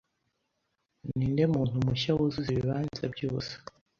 ninde muntu mushya wuzuza ibibanza byubusa